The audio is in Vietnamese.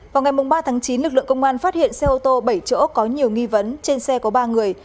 vào ngày ba tháng chín lực lượng công an phát hiện xe ô tô bảy chỗ có nhiều nghi vấn trên xe có ba người